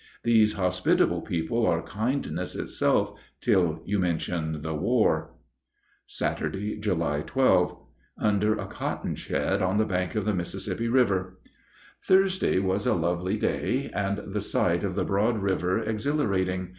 These hospitable people are kindness itself, till you mention the war. Saturday, July 12. (Under a cotton shed on the bank of the Mississippi River.) Thursday was a lovely day, and the sight of the broad river exhilarating.